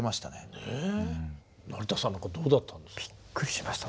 成田さんなんかどうだったんですか？